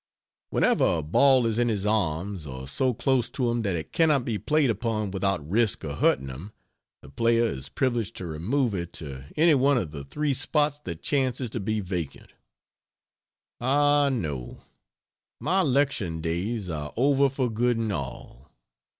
Whenever a ball is in his arms, or so close to him that it cannot be played upon without risk of hurting him, the player is privileged to remove it to anyone of the 3 spots that chances to be vacant. Ah, no, my lecturing days are over for good and all.